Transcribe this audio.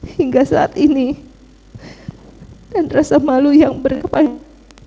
hingga saat ini dan rasa malu yang berkepanjang